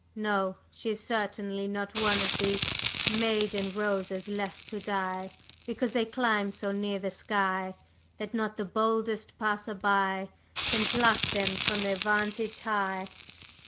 No; she is certainly not one of the "'Maiden roses left to die Because they climb so near the sky, That not the boldest passer by Can pluck them from their vantage high.